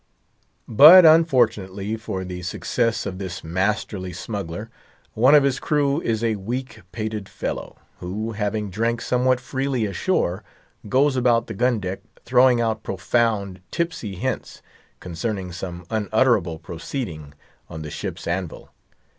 But, unfortunately for the success of this masterly smuggler, one of his crew is a weak pated fellow, who, having drank somewhat freely ashore, goes about the gun deck throwing out profound, tipsy hints concerning some unutterable proceeding on the ship's anvil.